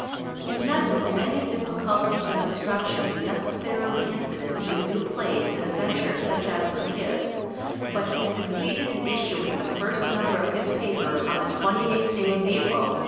He met with many difficulties and obstructions, necessarily incident to a new place in a venture such as was his, but he succeeded in issuing the first number of his paper on the twenty eighth day of April, 1849.